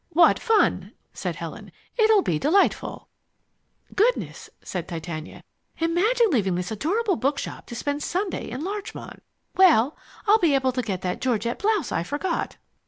"What fun!" said Helen. "It'll be delightful." "Goodness," said Titania. "Imagine leaving this adorable bookshop to spend Sunday in Larchmont. Well, I'll be able to get that georgette blouse I forgot."